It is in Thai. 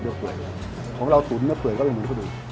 เนื้อเปลือยของเราตุ๋นเนื้อเปลือยก็เป็นเหมือนพอดุ